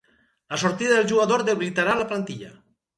La sortida del jugador debilitarà la plantilla